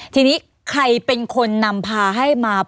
ทีนี้ใครเป็นคนนำพาให้มา